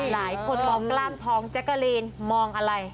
หลายคนมองกล้ามทองแจ๊กกะลีนมองอะไร